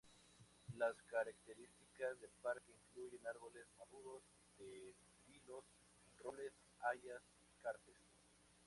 Las características del parque, incluyen árboles maduros, de tilos, robles, hayas, carpes.